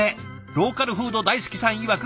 ローカルフード大好きさんいわく